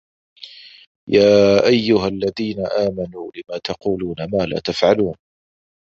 يا أَيُّهَا الَّذينَ آمَنوا لِمَ تَقولونَ ما لا تَفعَلونَ